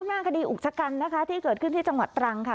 หน้าคดีอุกชะกันนะคะที่เกิดขึ้นที่จังหวัดตรังค่ะ